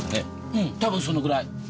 うん多分そのぐらい。